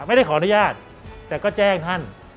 ไม่ได้ขออนุญาตแต่ก็แจ้งท่าน